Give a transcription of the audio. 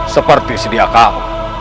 seperti sedia kau